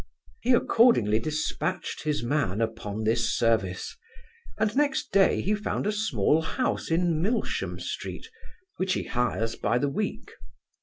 He accordingly dispatched his man upon this service; and next day he found a small house in Milsham street, which he hires by the week.